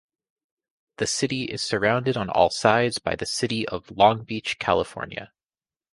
The city is surrounded on all sides by the city of Long Beach, California.